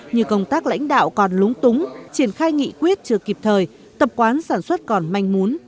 như công tác lãnh đạo còn lúng túng triển khai nghị quyết chưa kịp thời tập quán sản xuất còn manh muốn